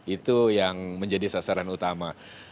itu yang menjadi sasaran utama